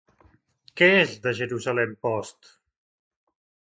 Què és The Jerusalem Post?